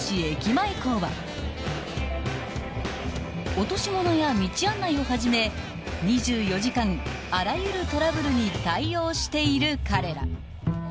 ［落とし物や道案内をはじめ２４時間あらゆるトラブルに対応している彼ら］